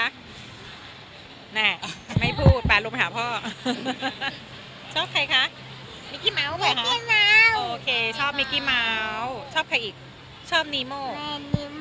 อันนี้ไม่พูดอันนี้ว้างพูดเยอะจังเลย